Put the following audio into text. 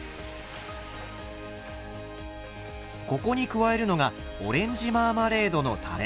ここに加えるのがオレンジマーマレードのたれ。